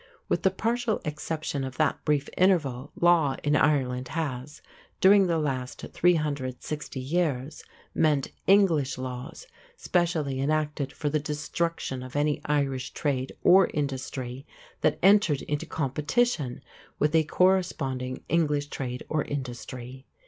With the partial exception of that brief interval, law in Ireland has, during the last 360 years, meant English laws specially enacted for the destruction of any Irish trade or industry that entered into competition with a corresponding English trade or industry.